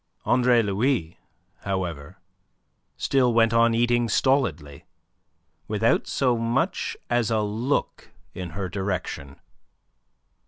Andre Louis, however, still went on eating stolidly, without so much as a look in her direction.